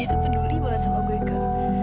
dia itu peduli banget sama gue kak